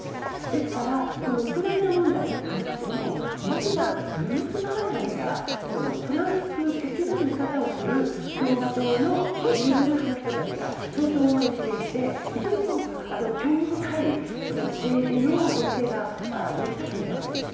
ですからこのウクライナ問題に関しても実はずっと長い間トランプ的な見方をする共和党の非主流派の人たちが相当応援していて非常に興味深い政治の連携が成り立っていたわけなんです。